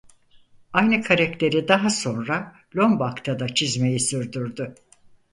Aynı karakteri daha sonra Lombak'ta da çizmeyi sürdürdü.